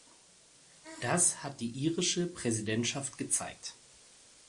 Das hat die irische Präsidentschaft gezeigt.